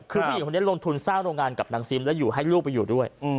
คือผู้หญิงคนนี้ลงทุนสร้างโรงงานกับนางซิมแล้วอยู่ให้ลูกไปอยู่ด้วย